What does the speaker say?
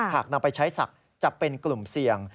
หากนำไปใช้ศักดิ์จะเป็นกลุ่มเสี่ยง